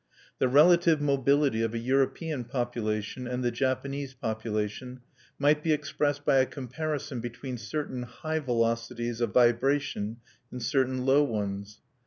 The relative mobility of a European population and the Japanese population might be expressed by a comparison between certain high velocities of vibration and certain low ones.